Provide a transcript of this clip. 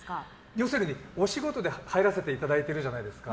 要するに、お仕事で入らせていただいてるじゃないですか。